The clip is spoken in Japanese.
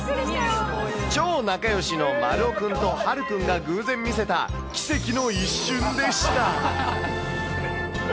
超仲よしのまるおくんとはるくんが偶然見せた、奇跡の一瞬でした。